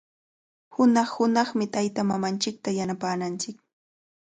Hunaq-hunaqmi taytamamanchikta yanapananchik.